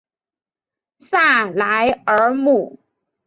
萨莱尔姆。